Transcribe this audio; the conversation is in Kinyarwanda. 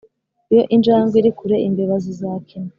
iyo injangwe iri kure, imbeba zizakina.